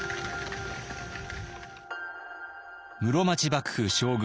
室町幕府将軍